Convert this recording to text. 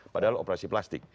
padahal operasi plastik